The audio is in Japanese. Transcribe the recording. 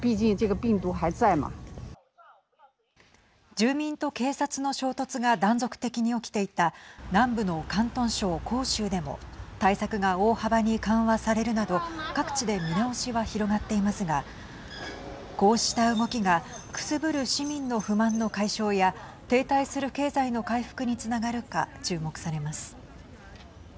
住民と警察の衝突が断続的に起きていた南部の広東省広州でも対策が大幅に緩和されるなど各地で見直しは広がっていますがこうした動きがくすぶる市民の不満の解消や停滞する経済の回復につながるか注目されます。